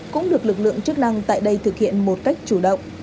cũng được lực lượng chức năng tại đây thực hiện một cách chủ động